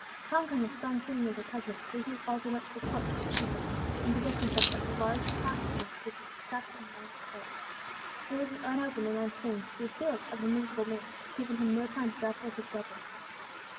Conquering a strong feeling of repugnance, Lucius also went to the corpse of Chico, and possessed himself of the large clasp knife which was stuck in the dead man's belt. It was unopened and unstained; the assailants of the miserable man had given him no time to draw forth his weapon.